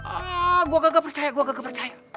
ah gua kagak percaya gua kagak percaya